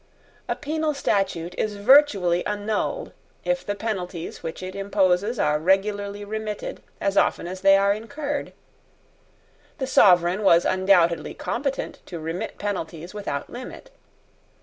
A penal statute is virtually annulled if the penalties which it imposes are regularly remitted as often as they are incurred. The sovereign was undoubtedly competent to remit penalties without limit.